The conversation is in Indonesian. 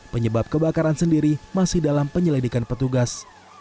penyebab kebakaran sendiri masih dalam penyelidikan petugas